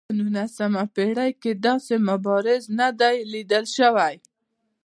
په نولسمه پېړۍ کې داسې مبارز نه دی لیدل شوی.